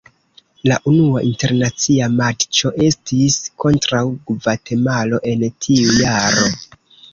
La unua internacia matĉo estis kontraŭ Gvatemalo en tiu jaro.